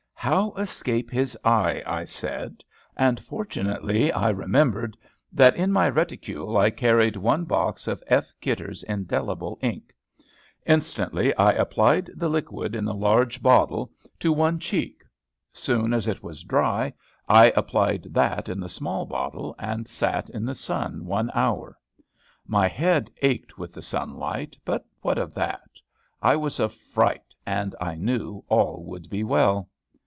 "How escape his eye?" I said; and, fortunately, I remembered that in my reticule I carried one box of F. Kidder's indelible ink. Instantly I applied the liquid in the large bottle to one cheek. Soon as it was dry, I applied that in the small bottle, and sat in the sun one hour. My head ached with the sunlight, but what of that? I was a fright, and I knew all would be well.